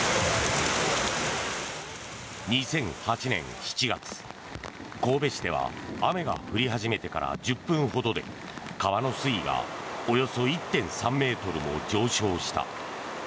２００８年７月神戸市では、雨が降り始めてから１０分ほどで川の水位がおよそ１．３ｍも上昇した。